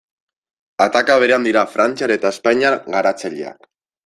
Ataka berean dira frantziar eta espainiar garatzaileak.